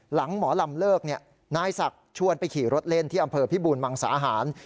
หมอลำเลิกนายศักดิ์ชวนไปขี่รถเล่นที่อำเภอพิบูรมังสาหาร